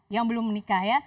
yang belum menikah ya